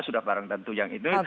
sudah barang tentu yang ini